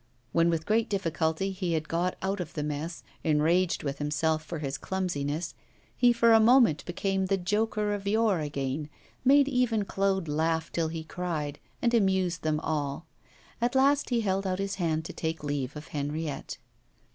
When with great difficulty he had got out of the mess, enraged with himself for his clumsiness, he for a moment became the joker of yore again, made even Claude laugh till he cried, and amused them all. At last he held out his hand to take leave of Henriette.